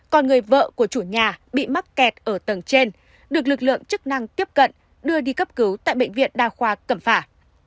còn người vợ của chủ nhà bị mắc kẹt ở tầng trên được lực lượng chức năng tiếp cận đưa đi cấp cứu tại bệnh viện đa khoa cẩm phả